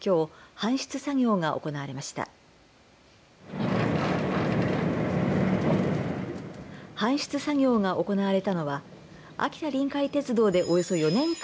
搬出作業が行われたのは秋田臨海鉄道で、およそ４年間